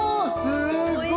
すごい。